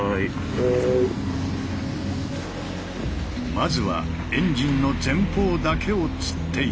まずはエンジンの前方だけをつっていく。